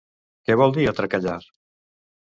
Què vol dir atracallar?